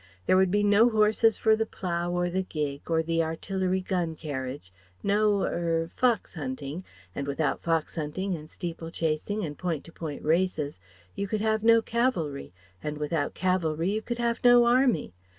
There would be no horses for the plough or the gig, or the artillery gun carriage; no er fox hunting, and without fox hunting and steeple chasing and point to point races you could have no cavalry and without cavalry you could have no army.